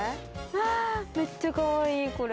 あめっちゃかわいいこれ。